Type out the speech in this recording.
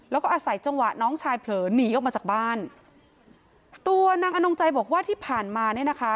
แล้วก็อาศัยจังหวะน้องชายเผลอหนีออกมาจากบ้านตัวนางอนงใจบอกว่าที่ผ่านมาเนี่ยนะคะ